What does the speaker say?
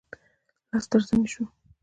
لاس تر زنې شو.